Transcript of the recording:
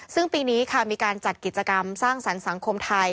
ซึ่งปีนี้ค่ะมีการจัดกิจกรรมสร้างสรรค์สังคมไทย